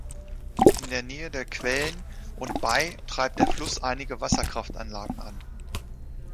In der Nähe der Quellen und bei treibt der Fluss einige Wasserkraftanlagen an.